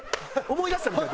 思い出したみたい。